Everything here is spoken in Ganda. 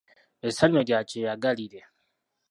Essanyu lya kyeyagalire.